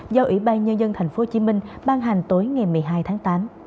do ủy ban nhân dân tp hcm ban hành tối ngày một mươi hai tháng tám